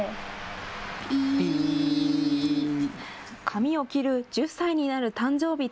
髪を切る１０歳になる誕生日